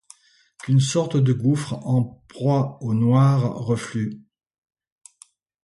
Qu’ une sorte de gouffre en proie aux noirs reflux ;